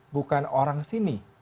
bukan orang sini